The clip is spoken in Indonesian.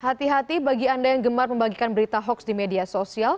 hati hati bagi anda yang gemar membagikan berita hoax di media sosial